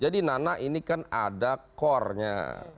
jadi nana ini kan ada core nya